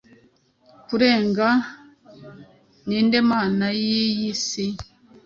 Kurega Ninde Mana Yiyi Isi